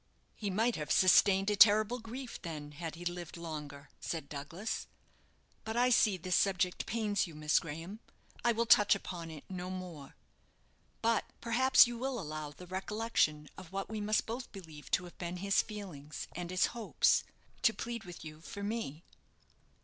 "He might have sustained a terrible grief, then, had he lived longer," said Douglas; "but I see this subject pains you, Miss Graham; I will touch upon it no more. But perhaps you will allow the recollection of what we must both believe to have been his feelings and his hopes, to plead with you for me."